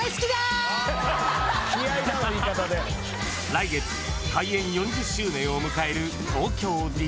［来月開園４０周年を迎える］